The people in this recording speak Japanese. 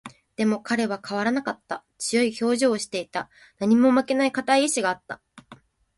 でも、彼は変わらなかった。強い表情をしていた。何にも負けない固い意志があった。